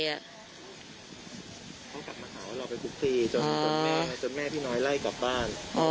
เขากลับมาหาเราไปกุ๊กพี